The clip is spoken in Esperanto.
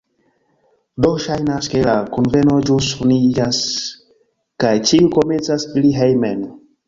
Do, ŝajnas, ke la kunveno ĵus finiĝas kaj ĉiuj komencas iri hejmen